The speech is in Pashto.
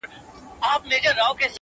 درد بايد درک کړل سي تل,